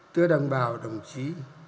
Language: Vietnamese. thưa đồng bào đồng chí